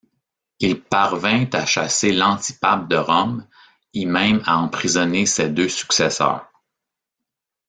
Il parvint à chasser l’antipape de Rome et même à emprisonner ses deux successeurs.